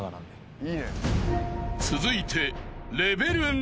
［続いて］